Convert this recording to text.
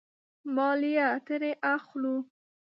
مالیه ترې اخلو.